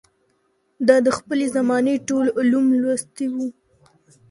ده د خپلې زمانې ټول علوم لوستي وو